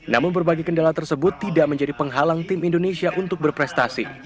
namun berbagai kendala tersebut tidak menjadi penghalang tim indonesia untuk berprestasi